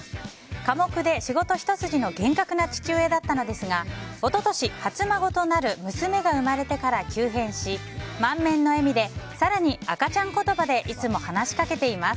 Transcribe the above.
寡黙で仕事ひと筋の厳格な父親だったんですが一昨年、初孫となる娘が生まれてから急変し満面の笑みで更に赤ちゃん言葉でいつも話しかけています。